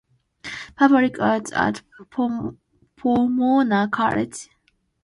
Public art at Pomona College